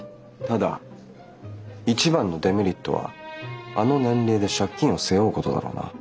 ただ一番のデメリットはあの年齢で借金を背負うことだろうな。